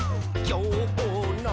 「きょうの」